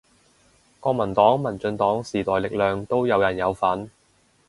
國民黨民進黨時代力量都有人有份